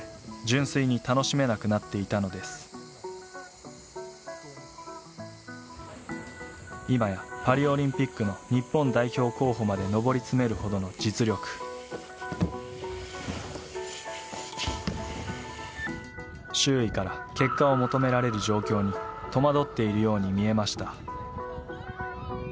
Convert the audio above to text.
純粋に楽しめなくなっていたのです今やまで上り詰めるほどの実力周囲から結果を求められる状況に戸惑っているように見えました